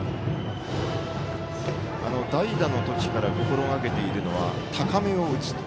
代打の時から心がけているのは高めを打つと。